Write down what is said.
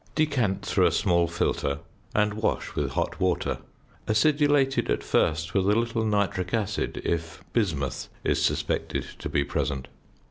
Decant through a small filter, and wash with hot water, acidulated at first with a little nitric acid if bismuth is suspected to be present.